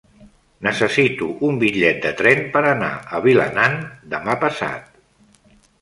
Necessito un bitllet de tren per anar a Vilanant demà passat.